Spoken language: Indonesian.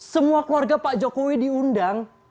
semua keluarga pak jokowi diundang